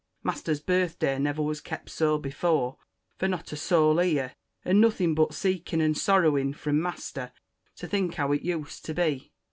Master's birth day never was kept soe before: for not a sole heere: and nothing but sikeing and sorrowin from master to think how it yused to bee.